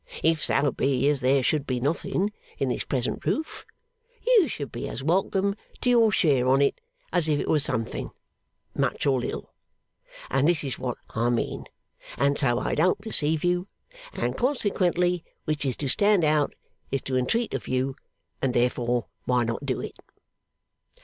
If so be as there should be nothing in this present roof, you should be as welcome to your share on it as if it was something, much or little. And this is what I mean and so I don't deceive you, and consequently which is to stand out is to entreat of you, and therefore why not do it?